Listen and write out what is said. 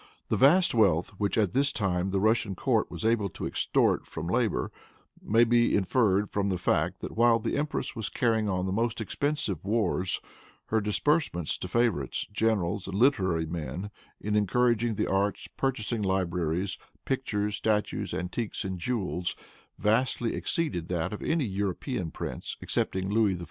The vast wealth which at this time the Russian court was able to extort from labor, may be inferred from the fact, that while the empress was carrying on the most expensive wars, her disbursements to favorites, generals and literary men in encouraging the arts, purchasing libraries, pictures, statues, antiques and jewels, vastly exceeded that of any European prince excepting Louis XIV.